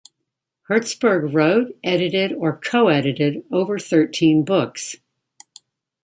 Hertzberg wrote, edited or co-edited over thirteen books.